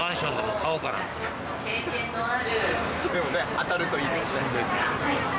当たるといいですね。